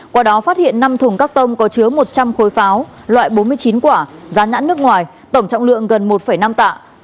qua đó phát hiện năm thùng các tông có chứa một trăm linh khối pháo loại bốn mươi chín quả dán nhãn nước ngoài tổng trọng lượng gần một năm tạ